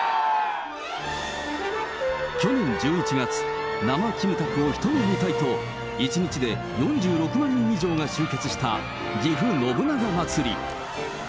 去年１１月、生キムタクを一目見たいと、１日で４６万人以上が集結した、ぎふ信長まつり。